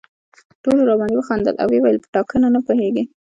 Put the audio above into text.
ټولو راباندې وخندل او ویې ویل په ټاکنه نه پوهېږي.